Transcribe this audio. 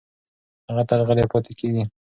هغه تل غلې پاتې کېږي.